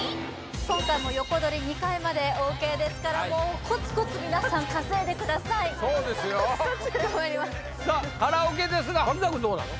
今回も横取り２回までＯＫですからもうコツコツ皆さん稼いでくださいそうですよ・コツコツさあカラオケですが柿澤君どうなの？